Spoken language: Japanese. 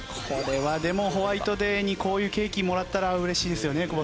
これはでもホワイトデーにこういうケーキもらったら嬉しいですよね